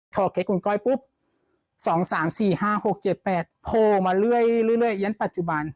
โทรเคท์ขุนก้อยปุ๊บ๒๓๔๕๖๗๘โพลมาเรื่อยยังปัจจุบัน